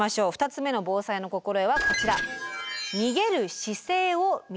２つ目の防災の心得はこちら。